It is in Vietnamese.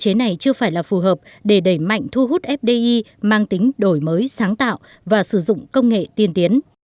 cơ chế này chưa phải là phù hợp để đẩy mạnh thu hút fdi mang tính đổi mới sáng tạo và sử dụng công nghệ tiên tiến